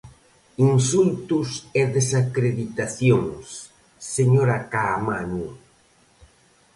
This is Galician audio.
Insultos e desacreditacións, señora Caamaño.